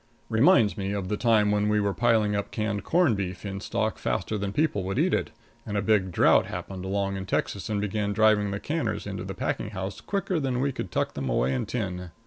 Reminds me of the time when we were piling up canned corned beef in stock faster than people would eat it, and a big drought happened along in Texas and began driving the canners in to the packing house quicker than we could tuck them away in tin.